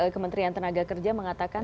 kementerian tenaga kerja mengatakan